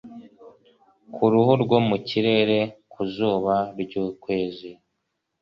Ku ruhu rwo mu kirere ku zuba ryukwezi